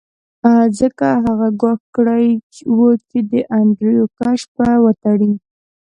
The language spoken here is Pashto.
ځکه هغه ګواښ کړی و چې د انډریو کشو به وتړي